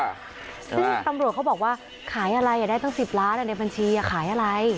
ซึ่งตำรวจเขาบอกว่าขายอะไรได้ตั้ง๑๐ล้านในบัญชีขายอะไร